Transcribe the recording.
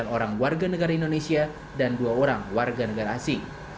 delapan orang warga negara indonesia dan dua orang warga negara asing